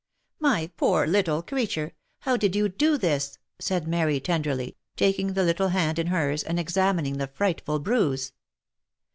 " My poor little creature ! how did you do this ?" said Mary, tenderly, taking the little hand in hers, and examining the frightful bruise.